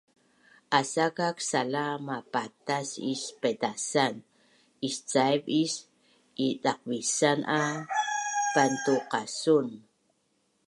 asakak sala mapatas is paitasan iscaiv is idaqvisan a pantuqasun